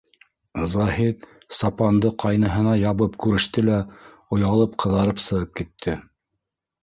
Заһит сапанды ҡайныһына ябып күреште лә, оялып ҡыҙарып сығып китте.